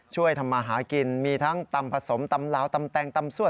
ช่วยทำมาหากินมีทั้งตำผสมตำลาวตำแตงตำซ่ว